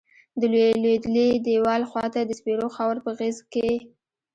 د لویدلیی دیوال خواتہ د سپیرو خاور پہ غیز کیی